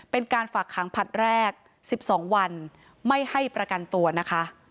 เป็นการฝากขังผลัดแรก๑๒วันไม่ให้ประกันตัวนะคะ